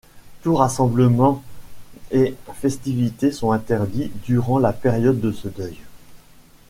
Tous rassemblements et festivités sont interdits durant la période de ce deuil.